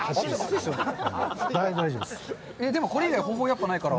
でも、これ以外、方法はやっぱりないから。